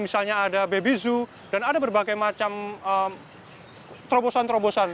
misalnya ada baby zoo dan ada berbagai macam terobosan terobosan